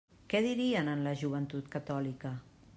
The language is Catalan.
Què dirien en la Joventut Catòlica?